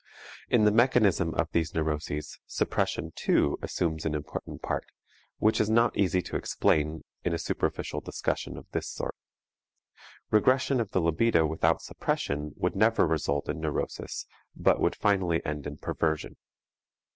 In the mechanism of these neuroses, suppression, too, assumes an important part, which it is not easy to explain in a superficial discussion of this sort. Regression of the libido without suppression would never result in neurosis but would finally end in perversion.